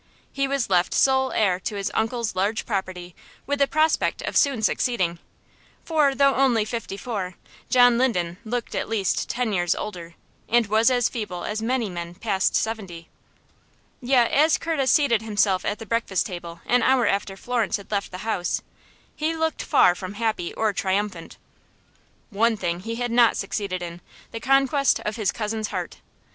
He was left sole heir to his uncle's large property with the prospect of soon succeeding, for though only fifty four, John Linden looked at least ten years older, and was as feeble as many men past seventy. Yet, as Curtis seated himself at the breakfast table an hour after Florence had left the house, he looked far from happy or triumphant. One thing he had not succeeded in, the conquest of his cousin's heart.